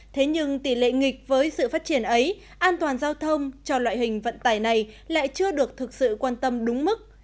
thế nhưng tỷ lệ nghịch với sự phát triển ấy an toàn giao thông cho loại hình vận tải này lại chưa được thực sự quan tâm đúng mức